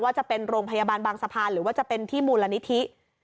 จะเป็นโรงพยาบาลบางสะพานหรือว่าจะเป็นที่มูลนิธิ